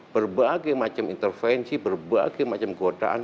berbagai macam intervensi berbagai macam godaan